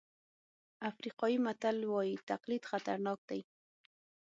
افریقایي متل وایي تقلید خطرناک دی.